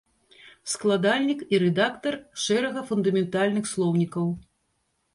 Складальнік і рэдактар шэрага фундаментальных слоўнікаў.